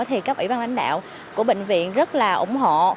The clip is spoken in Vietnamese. thì các ủy ban lãnh đạo của bệnh viện rất là ủng hộ